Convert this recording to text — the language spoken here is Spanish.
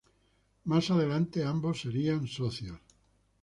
Más adelante ambos serían socios.